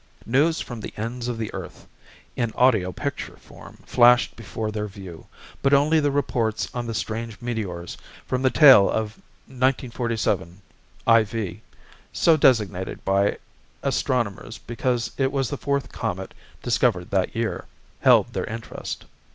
News from the ends of the earth, in audio picture form, flashed before their view; but only the reports on the strange meteors from the tail of 1947, IV so designated by astronomers because it was the fourth comet discovered that year held their interest.